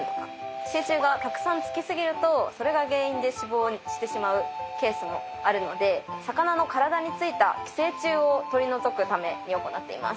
寄生虫がたくさんつき過ぎるとそれが原因で死亡してしまうケースもあるので魚の体についた寄生虫を取り除くために行っています。